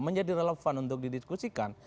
menjadi relevan untuk didiskusikan